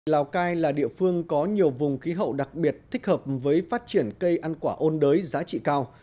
lào cai là địa phương có nhiều vùng khí hậu đặc biệt thích hợp với phát triển cây ăn quả ôn đới giá trị cao